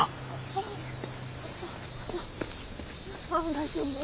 大丈夫？